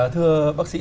thưa bác sĩ